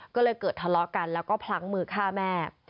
ก็เลยเกิดทะเลาะกันแล้วก็พลั้งมือฆ่าแม่